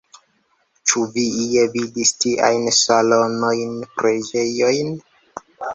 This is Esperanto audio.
Ĉu vi ie vidis tiajn salonojn, preĝejojn?